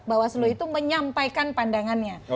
bawaslu itu menyampaikan pandangannya